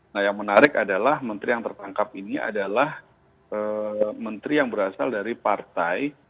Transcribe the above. nah yang menarik adalah menteri yang tertangkap ini adalah menteri yang berasal dari partai